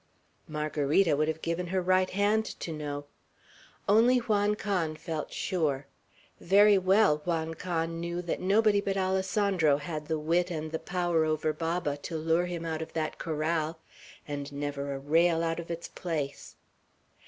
Margarita would have given her right hand to know. Only Juan Can felt sure. Very well Juan Can knew that nobody but Alessandro had the wit and the power over Baba to lure him out of that corral, "and never a rail out of its place."